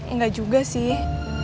nggak juga sih